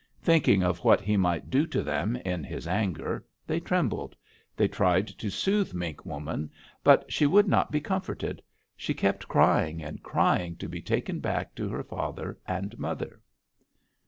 Thinking of what he might do to them in his anger, they trembled. They tried to soothe Mink Woman, but she would not be comforted; she kept crying and crying to be taken back to her father and mother.